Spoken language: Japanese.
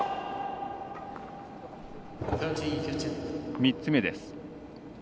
３つ目です。